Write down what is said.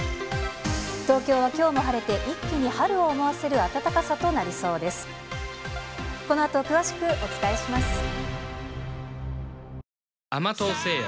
東京はきょうも晴れて、一気に春を思わせる暖かさとなりそうです。